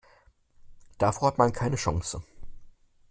Davor hat man keine Chance.